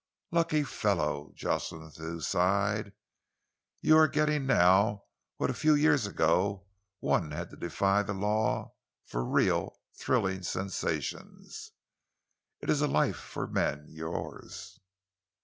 "Lucky fellow!" Jocelyn Thew sighed. "You are getting now what a few years ago one had to defy the law for real, thrilling sensations. It's a life for men, yours."